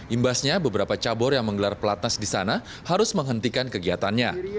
imbasnya beberapa cabur yang menggelar pelatnas di sana harus menghentikan kegiatannya